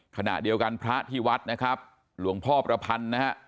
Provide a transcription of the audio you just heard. ขณะเดียวกันพระที่วัดนะครับหลวงพ่อประพันธ์นะฮะ